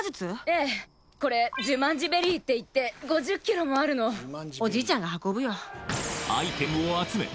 ええこれジュマンジベリーっていって５０キロもあるのおじいちゃんが運ぶよアイテムを集め